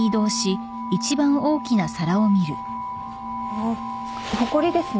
あほこりですね。